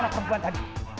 mana perempuan tadi